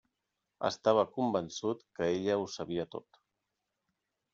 Estava convençut que ella ho sabia tot.